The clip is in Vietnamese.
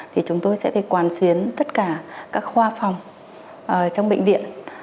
thì chúng tôi sẽ phải quản xuyến tất cả các khoa phòng trong bệnh viện